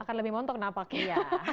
akan lebih montok nampaknya